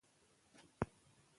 د روسانو په مرسته ترتیب شوې وه.